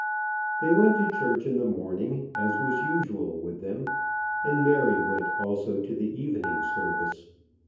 They went to church in the morning, as was usual with them, and Mary went also to the evening service.